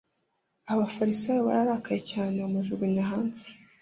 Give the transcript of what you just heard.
Abafarisayo bararakaye cyane bamujugunya hanze